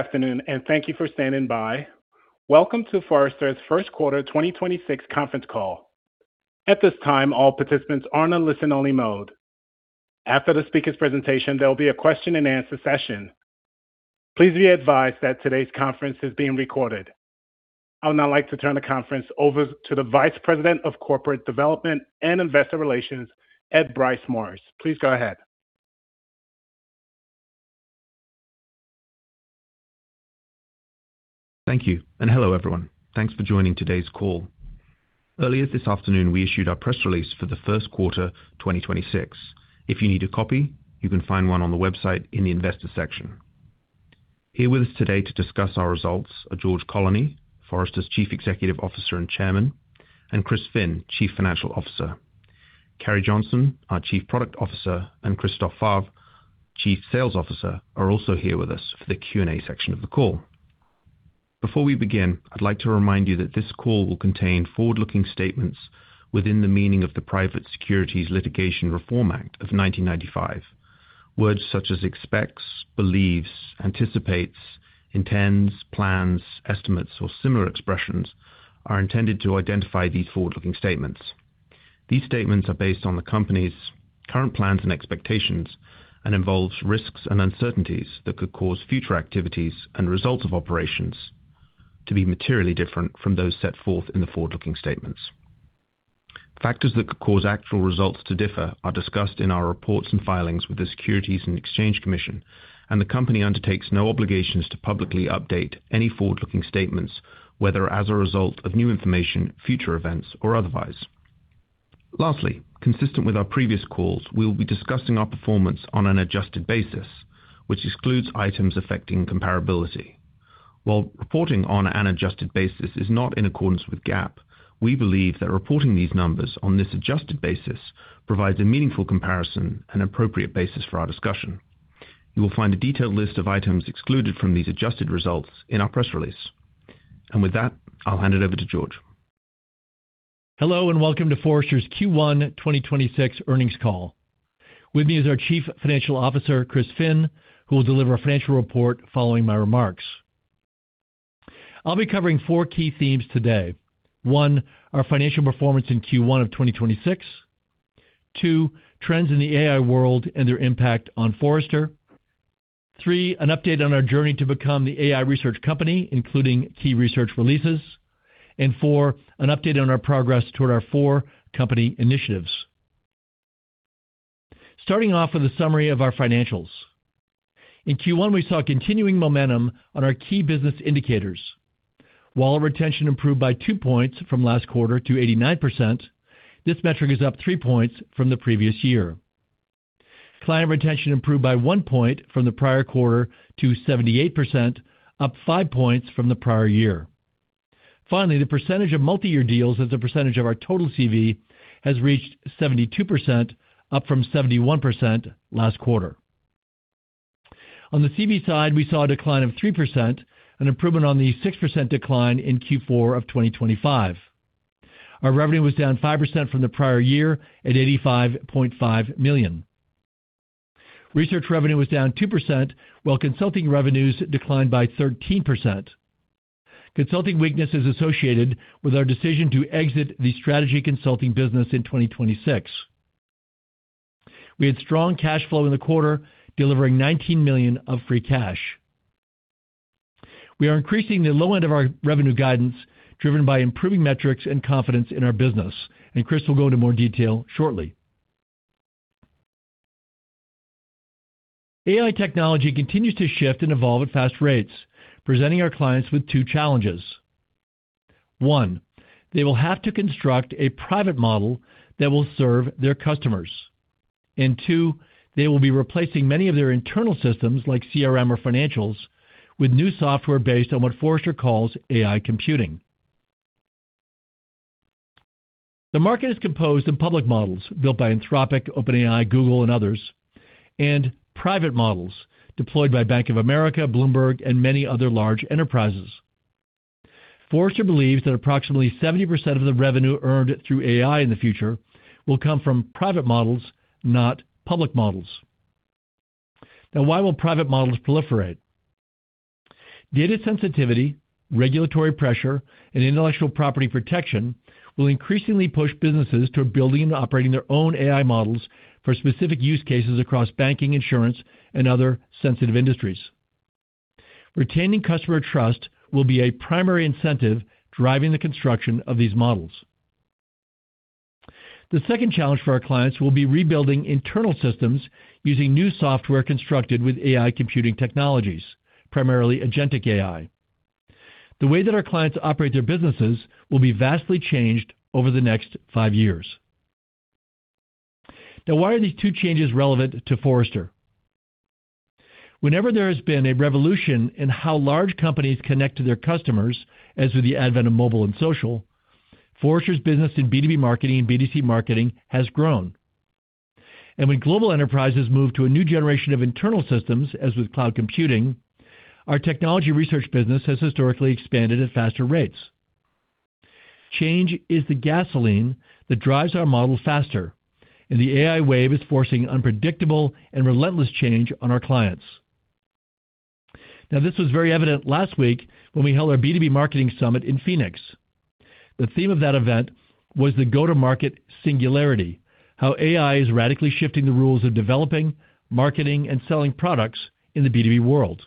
Good afternoon, and thank you for standing by. Welcome to Forrester's Q1 2026 conference call. At this time, all participants are on a listen-only mode. After the speaker's presentation, there'll be a question-and-answer session. Please be advised that today's conference is being recorded. I would now like to turn the conference over to the Vice President of Corporate Development and Investor Relations, Ed Bryce Morris. Please go ahead. Thank you. Hello, everyone. Thanks for joining today's call. Earlier this afternoon, we issued our press release for the Q1 2026. If you need a copy, you can find one on the website in the investor section. Here with us today to discuss our results are George Colony, Forrester's Chief Executive Officer and Chairman, and Chris Finn, Chief Financial Officer. Carrie Johnson, our Chief Product Officer, and Christophe Favre, Chief Sales Officer, are also here with us for the Q&A section of the call. Before we begin, I'd like to remind you that this call will contain forward-looking statements within the meaning of the Private Securities Litigation Reform Act of 1995. Words such as expects, believes, anticipates, intends, plans, estimates, or similar expressions are intended to identify these forward-looking statements. These statements are based on the company's current plans and expectations and involves risks and uncertainties that could cause future activities and results of operations to be materially different from those set forth in the forward-looking statements. Factors that could cause actual results to differ are discussed in our reports and filings with the Securities and Exchange Commission. The company undertakes no obligations to publicly update any forward-looking statements, whether as a result of new information, future events, or otherwise. Lastly, consistent with our previous calls, we'll be discussing our performance on an adjusted basis, which excludes items affecting comparability. While reporting on an adjusted basis is not in accordance with GAAP, we believe that reporting these numbers on this adjusted basis provides a meaningful comparison and appropriate basis for our discussion. You will find a detailed list of items excluded from these adjusted results in our press release. With that, I'll hand it over to George. Hello, and welcome to Forrester's Q1 2026 earnings call. With me is our Chief Financial Officer, Chris Finn, who will deliver a financial report following my remarks. I'll be covering four key themes today. One, our financial performance in Q1 of 2026. Two, trends in the AI world and their impact on Forrester. Three, an update on our journey to become the AI research company, including key research releases. Four, an update on our progress toward our 4 company initiatives. Starting off with a summary of our financials. In Q1, we saw continuing momentum on our key business indicators. While retention improved by 2 points from last quarter to 89%, this metric is up 3 points from the previous year. Client retention improved by 1 point from the prior quarter to 78%, up 5 points from the prior year. Finally, the percentage of multi-year deals as a percentage of our total CV has reached 72%, up from 71% last quarter. On the CV side, we saw a decline of 3%, an improvement on the 6% decline in Q4 of 2025. Our revenue was down 5% from the prior year at $85.5 million. Research revenue was down 2%, while consulting revenues declined by 13%. Consulting weakness is associated with our decision to exit the strategy consulting business in 2026. We had strong cash flow in the quarter, delivering $19 million of free cash. We are increasing the low end of our revenue guidance driven by improving metrics and confidence in our business, Chris will go into more detail shortly. AI technology continues to shift and evolve at fast rates, presenting our clients with two challenges. One, they will have to construct a private model that will serve their customers. two, they will be replacing many of their internal systems like CRM or financials with new software based on what Forrester calls AI computing. The market is composed of public models built by Anthropic, OpenAI, Google, and others, and private models deployed by Bank of America, Bloomberg, and many other large enterprises. Forrester believes that approximately 70% of the revenue earned through AI in the future will come from private models, not public models. Now, why will private models proliferate? Data sensitivity, regulatory pressure, and intellectual property protection will increasingly push businesses to building and operating their own AI models for specific use cases across banking, insurance, and other sensitive industries. Retaining customer trust will be a primary incentive driving the construction of these models. The second challenge for our clients will be rebuilding internal systems using new software constructed with AI computing, primarily agentic AI. The way that our clients operate their businesses will be vastly changed over the next five years. Now, why are these two changes relevant to Forrester? Whenever there has been a revolution in how large companies connect to their customers, as with the advent of mobile and social, Forrester's business in B2B marketing and B2C marketing has grown. When global enterprises move to a new generation of internal systems, as with cloud computing, our technology research business has historically expanded at faster rates. Change is the gasoline that drives our model faster, and the AI wave is forcing unpredictable and relentless change on our clients. Now, this was very evident last week when we held our B2B Summit in Phoenix. The theme of that event was the go-to-market singularity, how AI is radically shifting the rules of developing, marketing, and selling products in the B2B world.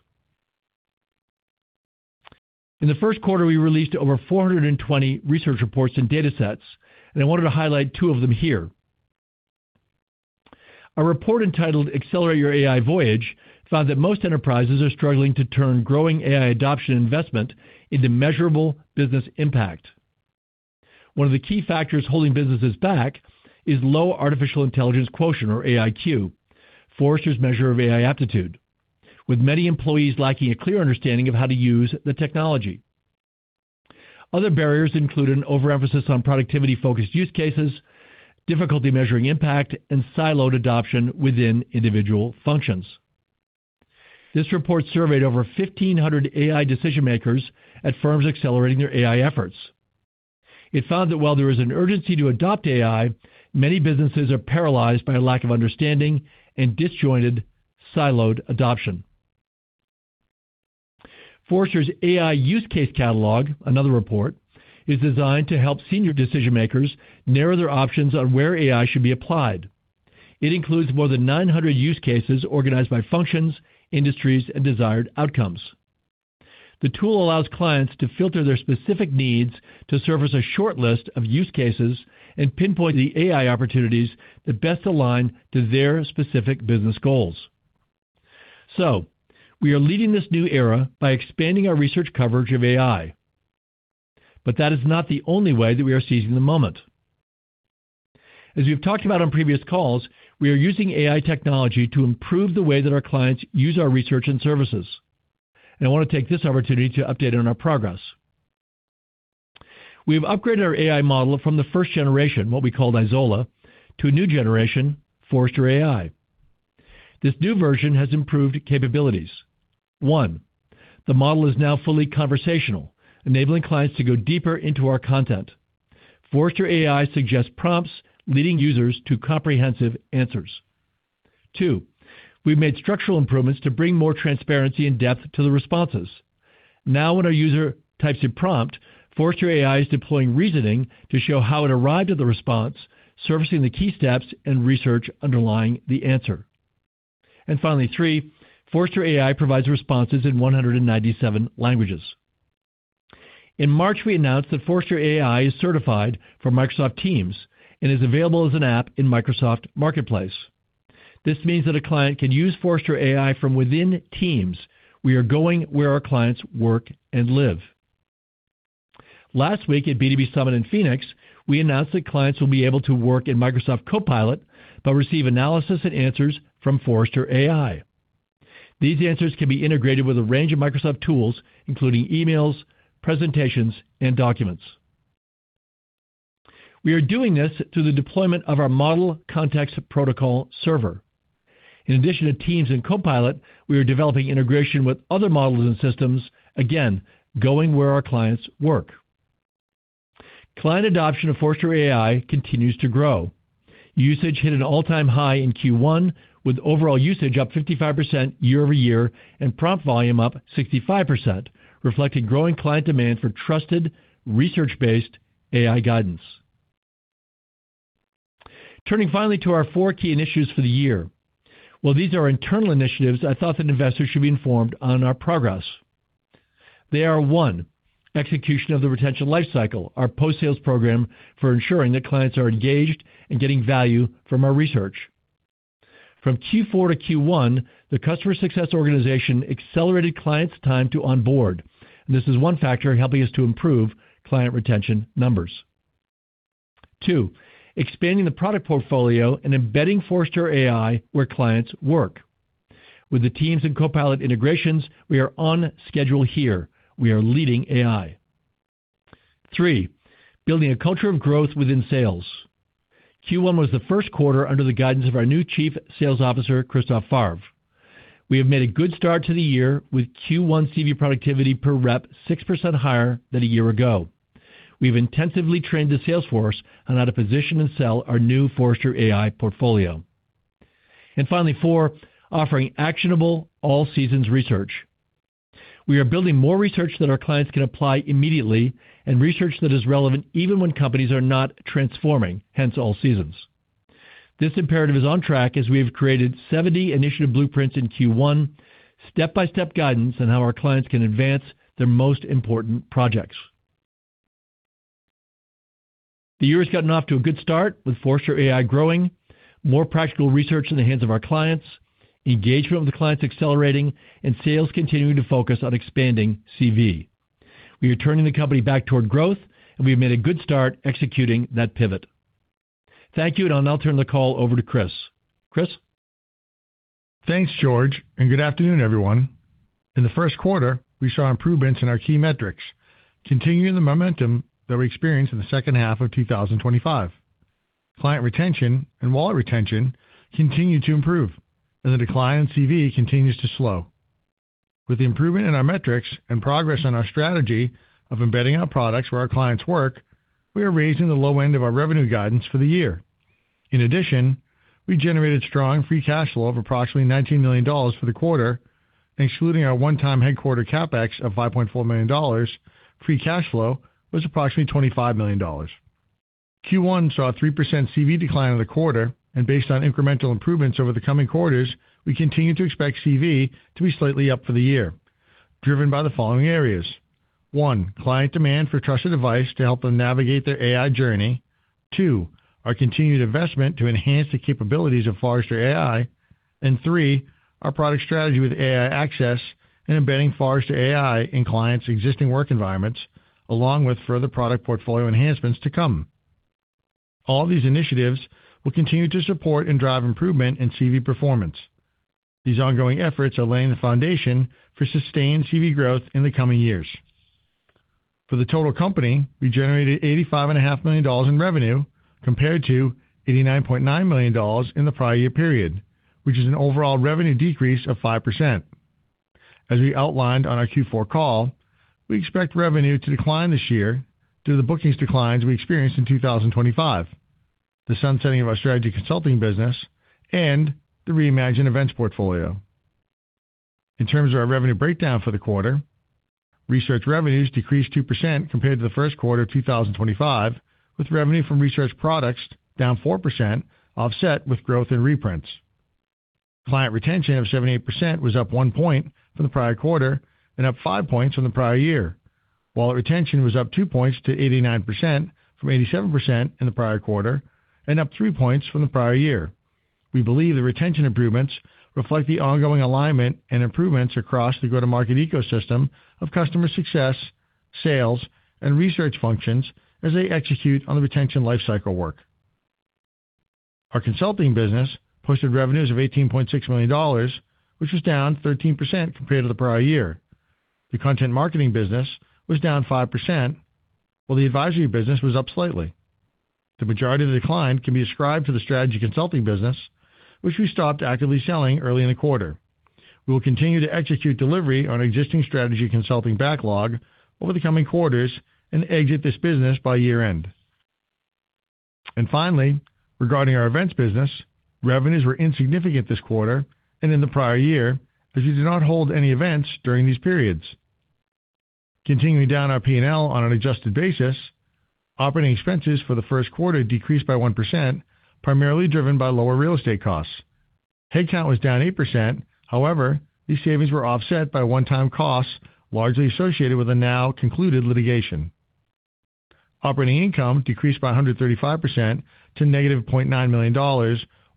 In the Q1, we released over 420 research reports and data sets. I wanted to highlight two of them here. A report entitled Accelerate Your AI Voyage found that most enterprises are struggling to turn growing AI adoption investment into measurable business impact. One of the key factors holding businesses back is low artificial intelligence quotient or AIQ, Forrester's measure of AI aptitude, with many employees lacking a clear understanding of how to use the technology. Other barriers include an overemphasis on productivity-focused use cases, difficulty measuring impact, and siloed adoption within individual functions. This report surveyed over 1,500 AI decision-makers at firms accelerating their AI efforts. It found that while there is an urgency to adopt AI, many businesses are paralyzed by a lack of understanding and disjointed siloed adoption. Forrester's AI Use Case Catalog, another report, is designed to help senior decision-makers narrow their options on where AI should be applied. It includes more than 900 use cases organized by functions, industries, and desired outcomes. The tool allows clients to filter their specific needs to surface a shortlist of use cases and pinpoint the AI opportunities that best align to their specific business goals. We are leading this new era by expanding our research coverage of AI. That is not the only way that we are seizing the moment. As we've talked about on previous calls, we are using AI technology to improve the way that our clients use our research and services. I want to take this opportunity to update on our progress. We've upgraded our AI model from the first generation, what we called Izola, to a new generation, Forrester AI. This new version has improved capabilities. One, the model is now fully conversational, enabling clients to go deeper into our content. Forrester AI suggests prompts leading users to comprehensive answers. Two, we've made structural improvements to bring more transparency and depth to the responses. Now when a user types a prompt, Forrester AI is deploying reasoning to show how it arrived at the response, surfacing the key steps and research underlying the answer. Finally, three, Forrester AI provides responses in 197 languages. In March, we announced that Forrester AI is certified for Microsoft Teams and is available as an app in Microsoft Marketplace. This means that a client can use Forrester AI from within Teams. We are going where our clients work and live. Last week at B2B Summit in Phoenix, we announced that clients will be able to work in Microsoft Copilot, receive analysis and answers from Forrester AI. These answers can be integrated with a range of Microsoft tools, including emails, presentations, and documents. We are doing this through the deployment of our Model Context Protocol server. In addition to Teams and Copilot, we are developing integration with other models and systems, again, going where our clients work. Client adoption of Forrester AI continues to grow. Usage hit an all-time high in Q1, with overall usage up 55% year-over-year and prompt volume up 65%, reflecting growing client demand for trusted, research-based AI guidance. Turning finally to our four key initiatives for the year. While these are internal initiatives, I thought that investors should be informed on our progress. They are, 1, execution of the retention lifecycle, our post-sales program for ensuring that clients are engaged and getting value from our research. From Q4 to Q1, the customer success organization accelerated clients' time to onboard, and this is one factor in helping us to improve client retention numbers. two, expanding the product portfolio and embedding Forrester AI where clients work. With the Teams and Copilot integrations, we are on schedule here. We are leading AI. three, building a culture of growth within sales. Q1 was the Q1 under the guidance of our new Chief Sales Officer, Christophe Favre. We have made a good start to the year with Q1 CV productivity per rep 6% higher than a year ago. We've intensively trained the sales force on how to position and sell our new Forrester AI portfolio. Finally, four, offering actionable all-seasons research. We are building more research that our clients can apply immediately and research that is relevant even when companies are not transforming, hence all seasons. This imperative is on track as we have created 70 initiative blueprints in Q1, step-by-step guidance on how our clients can advance their most important projects. The year has gotten off to a good start with Forrester AI growing, more practical research in the hands of our clients, engagement with the clients accelerating, and sales continuing to focus on expanding CV. We are turning the company back toward growth, and we have made a good start executing that pivot. Thank you. I'll now turn the call over to Chris. Chris? Thanks, George. Good afternoon, everyone. In the Q1, we saw improvements in our key metrics, continuing the momentum that we experienced in the second half of 2025. Client retention and wallet retention continued to improve. The decline in CV continues to slow. With the improvement in our metrics and progress on our strategy of embedding our products where our clients work, we are raising the low end of the revenue guidance for the year. In addition, we generated strong free cash flow of approximately $19 million for the quarter. Excluding our one-time headquarter CapEx of $5.4 million, free cash flow was approximately $25 million. Q1 saw a 3% CV decline in the quarter. Based on incremental improvements over the coming quarters, we continue to expect CV to be slightly up for the year, driven by the following areas. One, client demand for trusted advice to help them navigate their AI journey. Two, our continued investment to enhance the capabilities of Forrester AI. Three, our product strategy with AI Access and embedding Forrester AI in clients' existing work environments, along with further product portfolio enhancements to come. All these initiatives will continue to support and drive improvement in CV performance. These ongoing efforts are laying the foundation for sustained CV growth in the coming years. For the total company, we generated eighty-five and a half million dollars in revenue compared to $89.9 million in the prior year period, which is an overall revenue decrease of 5%. As we outlined on our Q4 call, we expect revenue to decline this year due to the bookings declines we experienced in 2025, the sunsetting of our strategy consulting business, and the reimagined events portfolio. In terms of our revenue breakdown for the quarter, research revenues decreased 2% compared to the Q1 of 2025, with revenue from research products down 4% offset with growth in reprints. Client retention of 78% was up 1 point from the prior quarter and up 5 points from the prior year. Wallet retention was up 2 points to 89% from 87% in the prior quarter and up 3 points from the prior year. We believe the retention improvements reflect the ongoing alignment and improvements across the go-to-market ecosystem of customer success, sales, and research functions as they execute on the retention lifecycle work. Our consulting business posted revenues of $18.6 million, which was down 13% compared to the prior year. The content marketing business was down 5%, while the advisory business was up slightly. The majority of the decline can be ascribed to the strategy consulting business, which we stopped actively selling early in the quarter. We will continue to execute delivery on existing strategy consulting backlog over the coming quarters and exit this business by year-end. Finally, regarding our events business, revenues were insignificant this quarter and in the prior year as we did not hold any events during these periods. Continuing down our P&L on an adjusted basis, operating expenses for the Q1 decreased by 1%, primarily driven by lower real estate costs. Headcount was down 8%. However, these savings were offset by one-time costs, largely associated with the now concluded litigation. Operating income decreased by 135% to negative $0.9 million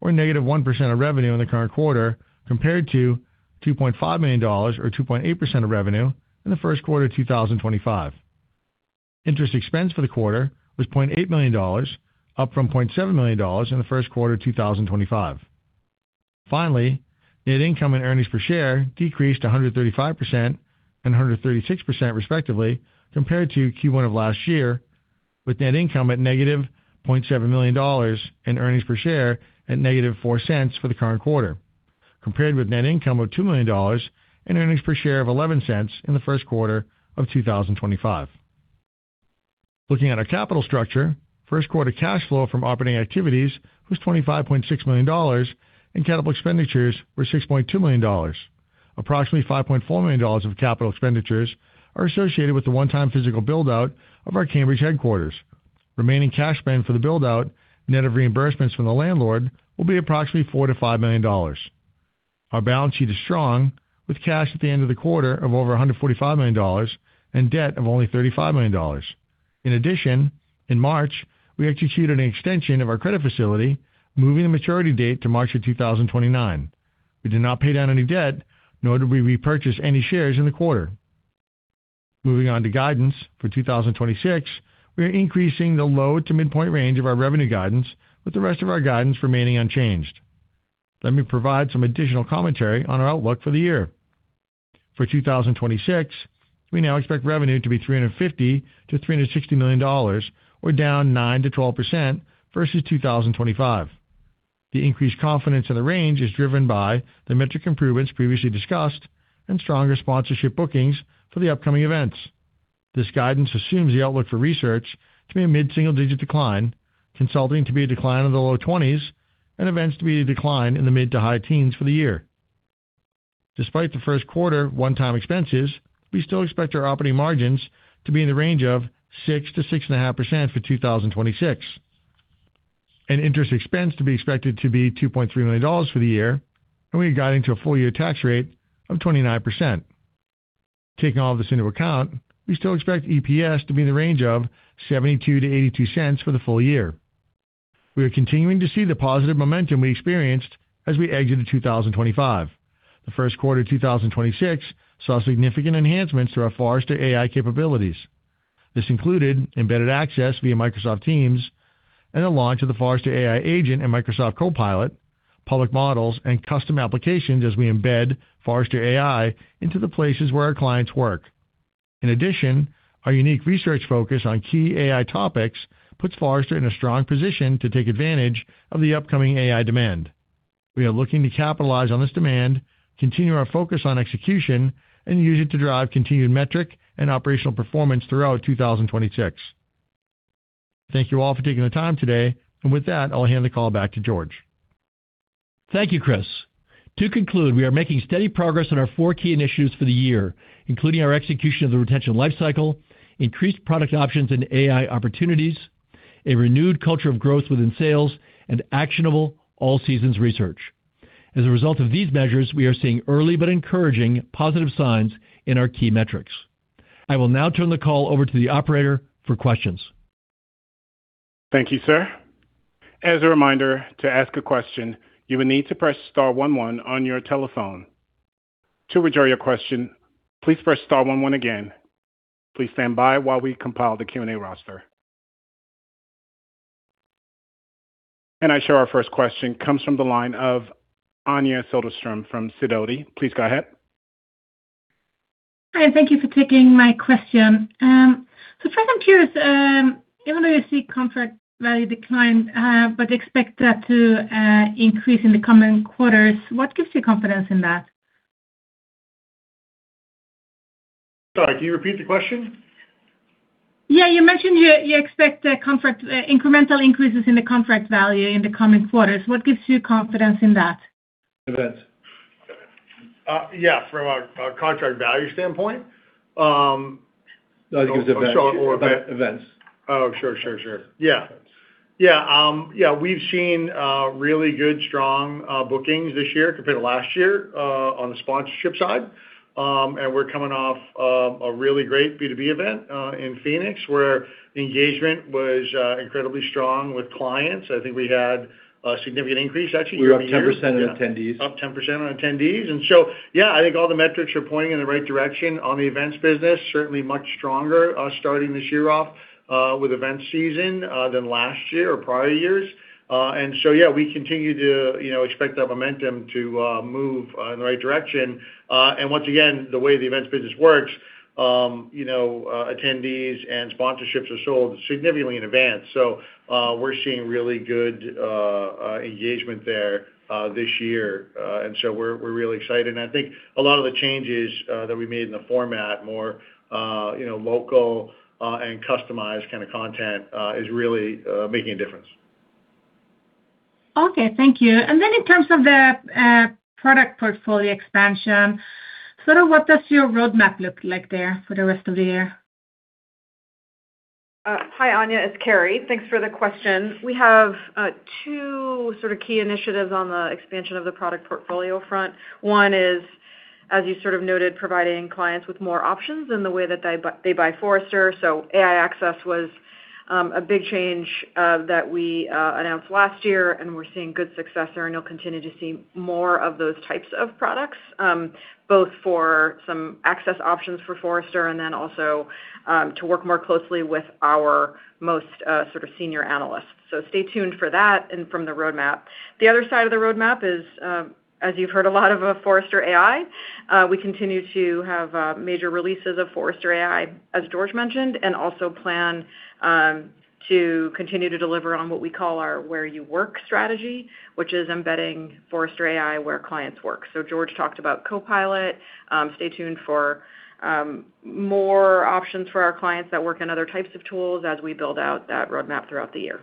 or negative 1% of revenue in the current quarter, compared to $2.5 million or 2.8% of revenue in the Q1 of 2025. Interest expense for the quarter was $0.8 million, up from $0.7 million in the Q1 of 2025. Net income and earnings per share decreased 135% and 136% respectively compared to Q1 of last year, with net income at negative $0.7 million and earnings per share at negative $0.04 for the current quarter, compared with net income of $2 million and earnings per share of $0.11 in the Q1 of 2025. Looking at our capital structure, Q1 cash flow from operating activities was $25.6 million and capital expenditures were $6.2 million. Approximately $5.4 million of capital expenditures are associated with the one-time physical build-out of our Cambridge headquarters. Remaining cash spend for the build-out, net of reimbursements from the landlord, will be approximately $4 million-$5 million. Our balance sheet is strong, with cash at the end of the quarter of over $145 million and debt of only $35 million. In addition, in March, we executed an extension of our credit facility, moving the maturity date to March of 2029. We did not pay down any debt, nor did we repurchase any shares in the quarter. Moving on to guidance, for 2026, we are increasing the low to midpoint range of our revenue guidance, with the rest of our guidance remaining unchanged. Let me provide some additional commentary on our outlook for the year. For 2026, we now expect revenue to be $350 million-$360 million, or down 9%-12% versus 2025. The increased confidence in the range is driven by the metric improvements previously discussed and stronger sponsorship bookings for the upcoming events. This guidance assumes the outlook for research to be a mid-single-digit decline, consulting to be a decline in the low 20s, and events to be a decline in the mid to high teens for the year. Despite the Q1 one-time expenses, we still expect our operating margins to be in the range of 6%-6.5% for 2026. Interest expense to be expected to be $2.3 million for the year, and we are guiding to a full year tax rate of 29%. Taking all this into account, we still expect EPS to be in the range of $0.72-$0.82 for the full year. We are continuing to see the positive momentum we experienced as we exited 2025. The Q1 of 2026 saw significant enhancements to our Forrester AI capabilities. This included embedded access via Microsoft Teams and the launch of the Forrester AI agent and Microsoft Copilot, public models and custom applications as we embed Forrester AI into the places where our clients work. In addition, our unique research focus on key AI topics puts Forrester in a strong position to take advantage of the upcoming AI demand. We are looking to capitalize on this demand, continue our focus on execution, and use it to drive continued metric and operational performance throughout 2026. Thank you all for taking the time today. With that, I'll hand the call back to George. Thank you, Chris. To conclude, we are making steady progress on our four key initiatives for the year, including our execution of the retention lifecycle, increased product options and AI opportunities, a renewed culture of growth within sales, and actionable all-seasons research. As a result of these measures, we are seeing early but encouraging positive signs in our key metrics. I will now turn the call over to the operator for questions. Thank you, sir. I show our first question comes from the line of Anja Soderstrom from Sidoti. Please go ahead. Hi, thank you for taking my question. First I'm curious, even though you see contract value decline, but expect that to increase in the coming quarters, what gives you confidence in that? Sorry, can you repeat the question? Yeah, you mentioned you expect incremental increases in the contract value in the coming quarters. What gives you confidence in that? Events. Yeah, from a contract value standpoint. No, I think it's events. Events. sure, sure. Yeah. Yeah, we've seen really good, strong bookings this year compared to last year on the sponsorship side. We're coming off a really great B2B event in Phoenix, where the engagement was incredibly strong with clients. I think we had a significant increase actually year-on-year. We were up 10% in attendees. Up 10% on attendees. Yeah, I think all the metrics are pointing in the right direction on the events business. Certainly much stronger, starting this year off, with event season, than last year or prior years. Yeah, we continue to, you know, expect that momentum to move in the right direction. Once again, the way the events business works, you know, attendees and sponsorships are sold significantly in advance. We're seeing really good engagement there this year. We're really excited. I think a lot of the changes that we made in the format, more, you know, local, and customized kind of content, is really making a difference. Okay. Thank you. In terms of the product portfolio expansion, sort of what does your roadmap look like there for the rest of the year? Hi, Anja, it's Carrie. Thanks for the question. We have two sort of key initiatives on the expansion of the product portfolio front. One is, as you sort of noted, providing clients with more options in the way that they buy Forrester. Forrester AI Access was a big change that we announced last year, and we're seeing good success there, and you'll continue to see more of those types of products, both for some access options for Forrester and also to work more closely with our most sort of senior analysts. Stay tuned for that and from the roadmap. The other side of the roadmap is, as you've heard a lot of Forrester AI, we continue to have major releases of Forrester AI, as George mentioned, and also plan to continue to deliver on what we call our where you work strategy, which is embedding Forrester AI where clients work. George talked about Copilot. Stay tuned for more options for our clients that work on other types of tools as we build out that roadmap throughout the year.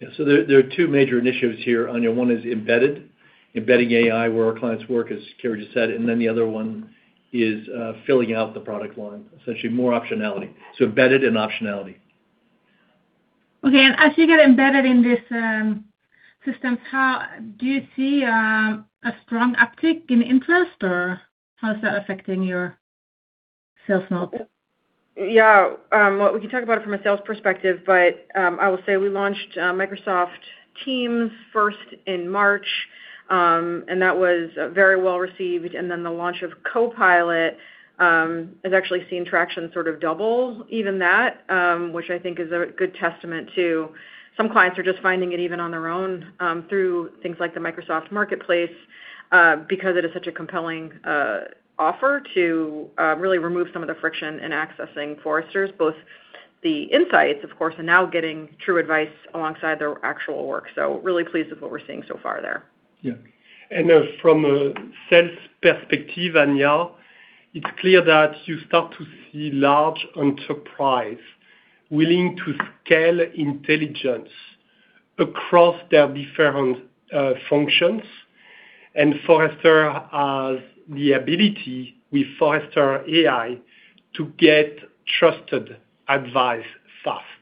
Yeah. There are two major initiatives here, Anja. One is embedded, embedding AI where our clients work, as Carrie just said. The other one is filling out the product line, essentially more optionality. Embedded and optionality. Okay. As you get embedded in these systems, do you see a strong uptick in interest, or how is that affecting your sales model? Yeah. What we can talk about from a sales perspective, but I will say we launched Microsoft Teams first in March, and that was very well received. The launch of Copilot has actually seen traction sort of double even that, which I think is a good testament to some clients are just finding it even on their own through things like the Microsoft Marketplace, because it is such a compelling offer to really remove some of the friction in accessing Forrester's, both the insights, of course, and now getting true advice alongside their actual work. Really pleased with what we're seeing so far there. Yeah. From a sales perspective, Anja, it's clear that you start to see large enterprise willing to scale intelligence across their different functions. Forrester has the ability with Forrester AI to get trusted advice fast.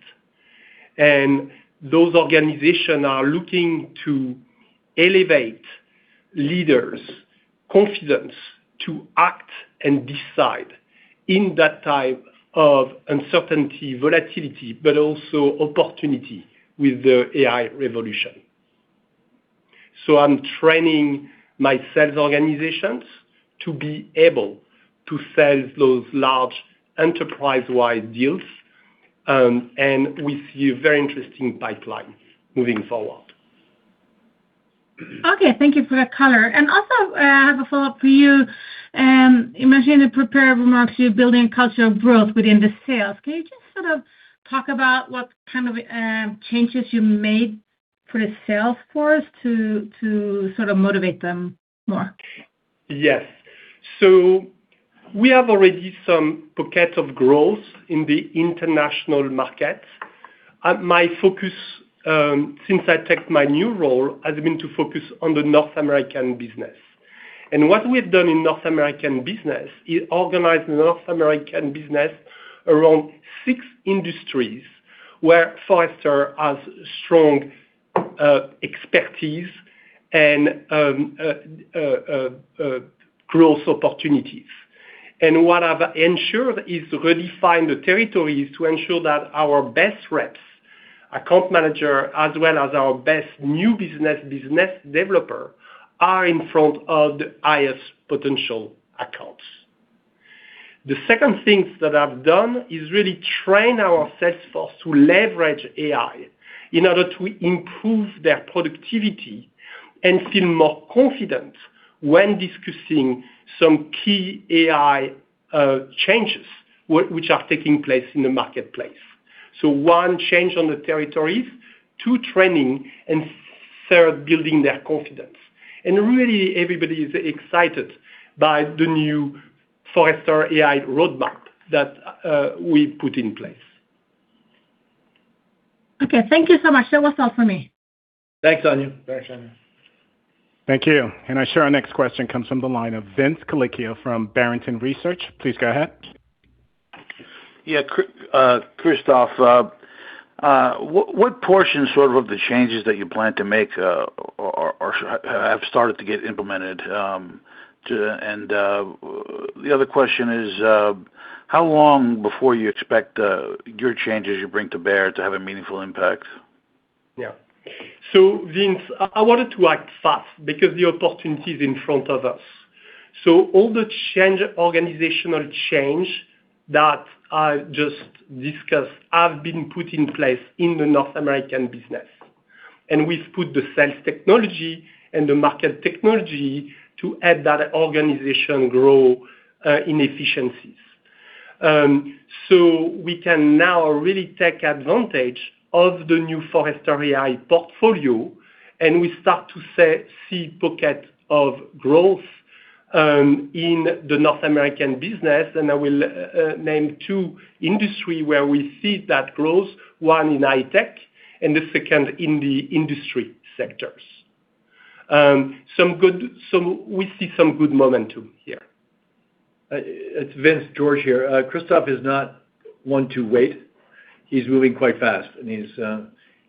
Those organization are looking to elevate leaders' confidence to act and decide in that type of uncertainty, volatility, but also opportunity with the AI revolution. I'm training my sales organizations to be able to sell those large enterprise-wide deals, and we see a very interesting pipeline moving forward. Okay, thank you for that color. Also, I have a follow-up for you. Imagine and prepare remarks, you're building culture of growth within the sales. Can you just sort of talk about what kind of changes you made for the sales force to sort of motivate them more? Yes. We have already some pockets of growth in the international market. My focus, since I take my new role, has been to focus on the North American business. What we've done in North American business is organize North American business around 6 industries where Forrester has strong expertise and growth opportunities. What I've ensured is redefine the territories to ensure that our best reps, account manager, as well as our best new business business developer, are in front of the highest potential accounts. The second things that I've done is really train our sales force to leverage AI in order to improve their productivity and feel more confident when discussing some key AI changes which are taking place in the marketplace. one, change on the territories, two, training, and third, building their confidence. really, everybody is excited by the new Forrester AI roadmap that we put in place. Okay, thank you so much. That was all for me. Thanks, Anja Soderstrom. Thanks, Anja Soderstrom. Thank you. I show our next question comes from the line of Vincent Colicchio from Barrington Research. Please go ahead. Yeah, Christophe, what portion sort of the changes that you plan to make have started to get implemented? The other question is, how long before you expect your changes you bring to bear to have a meaningful impact? Yeah. Vince, I wanted to act fast because the opportunity is in front of us. All the change, organizational change that I just discussed have been put in place in the North American business. We've put the sales technology and the market technology to aid that organization grow in efficiencies. We can now really take advantage of the new Forrester AI portfolio, and we start to see pocket of growth in the North American business. I will name two industry where we see that growth, one in high-tech and the second in the industry sectors. We see some good momentum here. It's Vincent, George here. Christophe is not one to wait. He's moving quite fast, and he's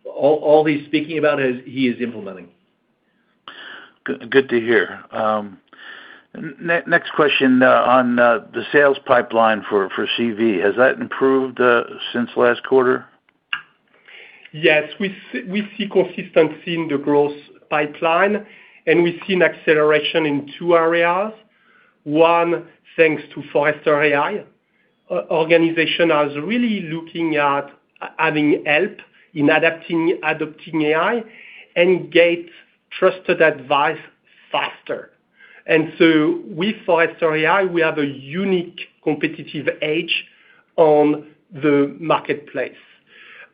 all he's speaking about is he is implementing. Good, good to hear. Next question on the sales pipeline for CV, has that improved since last quarter? Yes. We see consistency in the growth pipeline, and we've seen acceleration in two areas. One, thanks to Forrester AI. Organization is really looking at adding help in adopting AI and get trusted advice faster. With Forrester AI, we have a unique competitive edge on the marketplace.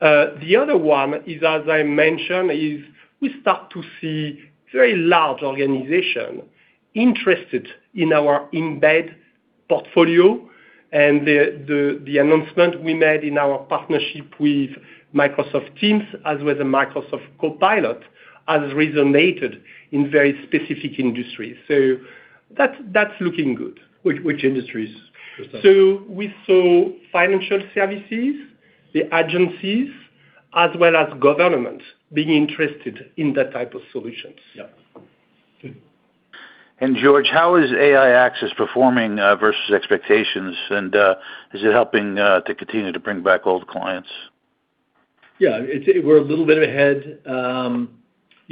The other one is, as I mentioned, we start to see very large organization interested in our embed portfolio, and the announcement we made in our partnership with Microsoft Teams, as with the Microsoft Copilot, has resonated in very specific industries. That's looking good. Which industries, Christophe? We saw financial services, the agencies, as well as government being interested in that type of solutions. Yeah. George, how is Forrester AI Access performing versus expectations? Is it helping to continue to bring back old clients? Yeah, we're a little bit ahead.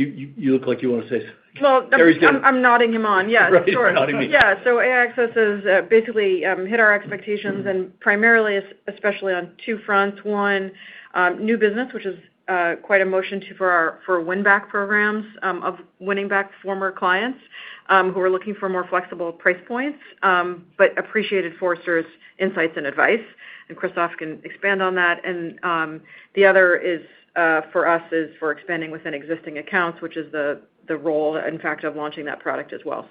You look like you wanna say something. Well, Carrie's good. I'm nodding him on. Yes. Carrie's nodding me. Yeah. Forrester AI Access has basically hit our expectations, and primarily especially on two fronts. One, new business, which is quite a motion for our win back programs of winning back former clients who are looking for more flexible price points, but appreciated Forrester's insights and advice. Christophe can expand on that. The other is for us, is for expanding within existing accounts, which is the role, in fact, of launching that product as well.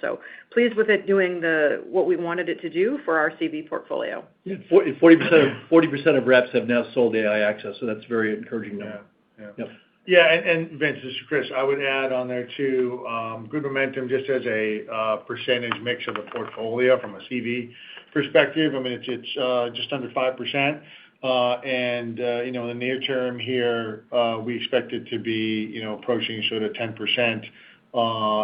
Pleased with it doing what we wanted it to do for our CV portfolio. 40% of reps have now sold AI Access, so that's a very encouraging number. Yeah. Yeah. Yeah. Yeah. Vincent, this is Chris. I would add on there, too, good momentum just as a percentage mix of the portfolio from a CV perspective. I mean, it's just under 5%. You know, in the near term here, we expect it to be, you know, approaching sort of 10%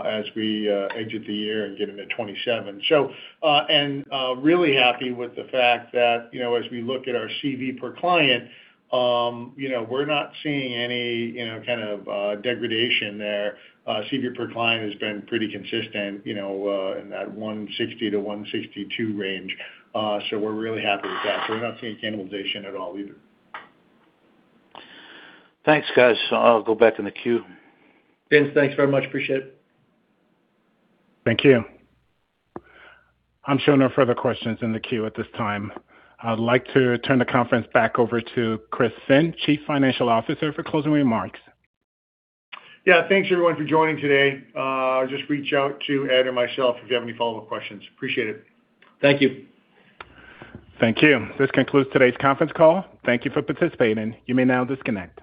as we edge at the year and get into 2027. Really happy with the fact that, you know, as we look at our CV per client, you know, we're not seeing any, you know, kind of degradation there. CV per client has been pretty consistent, you know, in that 160-162 range. We're really happy with that. We're not seeing cannibalization at all either. Thanks, guys. I'll go back in the queue. Vince, thanks very much. Appreciate it. Thank you. I'm showing no further questions in the queue at this time. I'd like to turn the conference back over to Chris Finn, Chief Financial Officer, for closing remarks. Yeah. Thanks, everyone, for joining today. Just reach out to Ed or myself if you have any follow-up questions. Appreciate it. Thank you. Thank you. This concludes today's conference call. Thank you for participating. You may now disconnect.